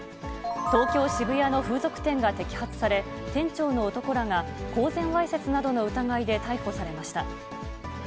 東京・渋谷の風俗店が摘発され、店長の男らが公然わいせつなどの疑いで逮捕されました。